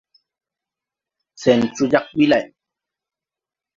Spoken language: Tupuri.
Sɛn coo jag ɓi lay.